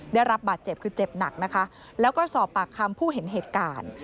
ได้รับบาดเจ็บคือเจ็บหนักนะคะแล้วก็สอบปากคำผู้เห็นเหตุการณ์